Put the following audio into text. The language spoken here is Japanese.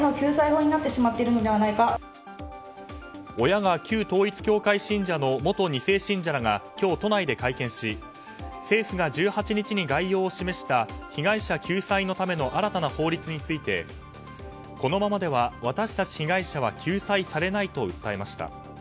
親が旧統一教会信者の元２世信者らが今日、都内で会見し政府が１８日に概要を示した被害者救済のための新たな法律についてこのままでは、私たち被害者は救済されないと訴えました。